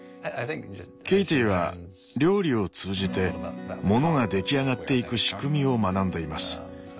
ケイティは料理を通じてモノが出来上がっていく仕組みを学んでいます。